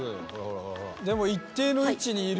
でも一定の位置にいるよ。